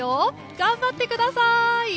頑張ってください！